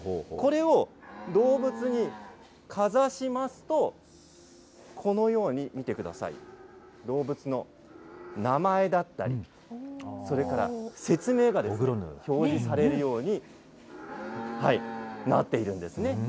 これを動物にかざしますと、このように、見てください、動物の名前だったり、それから説明が表示されるようになっているんですね。